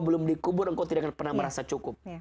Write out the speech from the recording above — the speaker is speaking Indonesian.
belum dikubur engkau tidak akan pernah merasa cukup